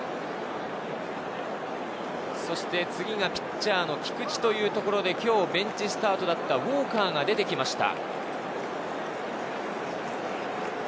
そして次がピッチャーの菊地というところで今日ベンチスタートだったウォーカーが出てきました。